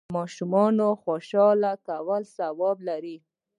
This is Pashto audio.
د ماشومانو خوشحاله کول ثواب لري.